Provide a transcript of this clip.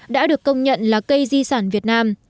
đã được công nhận là cây di sản việt nam